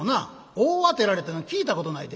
『大当てられた』いうのは聞いたことないで」。